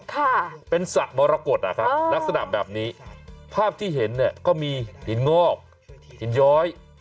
ค่ะเป็นสระมรกฏอ่ะครับลักษณะแบบนี้ภาพที่เห็นเนี่ยก็มีหินงอกหินย้อย